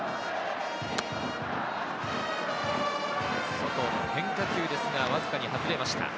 外の変化球ですが、わずかに外れました。